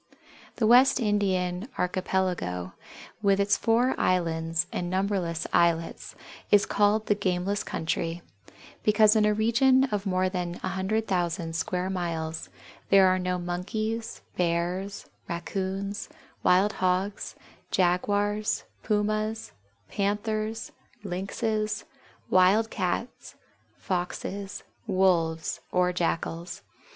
The West Indian Archipelago, with its four islands and numberless islets, is called the gameless country, because in a region of more than 100,000 square miles there are no Monkeys, Bears, Raccoons, Wild Hogs, Jaguars, Pumas, Panthers, Lynxes, Wild Cats, Foxes, Wolves, or Jackals.